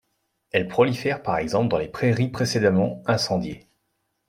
Elle prolifère par exemple dans les prairies précédemment incendiées.